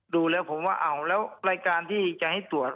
ดูแล้วผมว่าอ้าวแล้วรายการที่จะให้ตรวจ